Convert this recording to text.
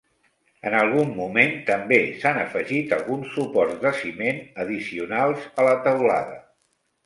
En algun moment també s'han afegit alguns suports de ciment addicionals a la teulada.